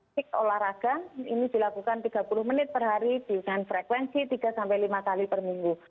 sik olahraga ini dilakukan tiga puluh menit per hari dengan frekuensi tiga sampai lima kali per minggu